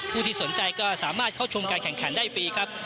ที่สนใจก็สามารถเข้าชมการแข่งขันได้ฟรีครับ